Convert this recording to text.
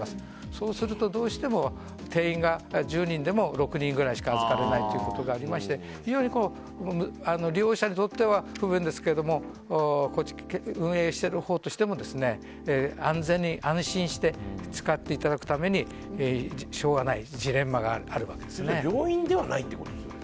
そうするとどうしても定員が１０人でも６人ぐらいしか預かれないということがありまして、非常に利用者にとっては不便ですけど運営してるほうとしても安全に安心して使っていただくためにしょうがない病院ではないってことですよね。